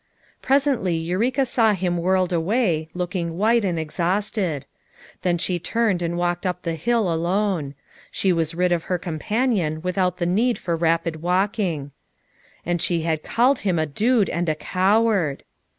Presently Eureka saw him whirled away, looking white and exhausted. Then she turned and walked up the hill alone; she was rid of her companion without the need for rapid walking; and she had called him a dude and a coward.